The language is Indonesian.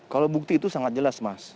kalau bukti itu sangat jelas mas